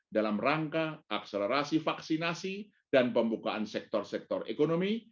dalam rangka akselerasi vaksinasi dan pembukaan sektor sektor ekonomi